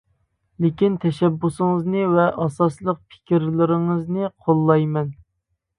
لېكىن تەشەببۇسىڭىزنى ۋە ئاساسلىق پىكىرلىرىڭىزنى قوللايمەن.